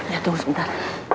ya tunggu sebentar